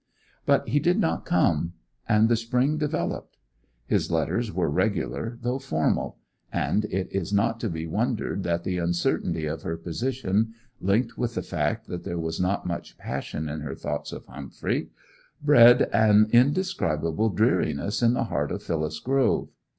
But he did not come; and the spring developed. His letters were regular though formal; and it is not to be wondered that the uncertainty of her position, linked with the fact that there was not much passion in her thoughts of Humphrey, bred an indescribable dreariness in the heart of Phyllis Grove.